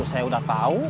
saya udah tau